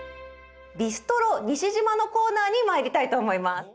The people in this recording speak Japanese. ビストロＮｉｓｈｉｊｉｍａのコーナーにまいりたいと思います。